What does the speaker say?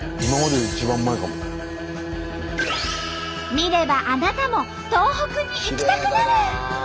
見ればあなたも東北に行きたくなる！